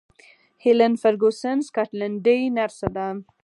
هیلن فرګوسن سکاټلنډۍ نرسه ده.